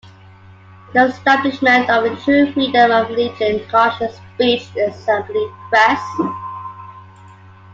The establishment of a true freedom of religion, conscience, speech, assembly, press.